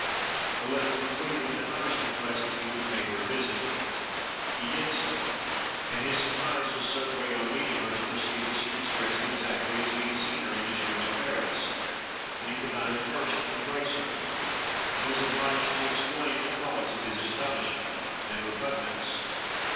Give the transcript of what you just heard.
The letter concluded with an earnest request that he would pay her a visit. He did so; and his surprise was so great on meeting her, to perceive that she was dressed exactly as he had seen her in his room at Paris, that he could not at first embrace her, and was obliged to explain the cause of his astonishment and repugnance.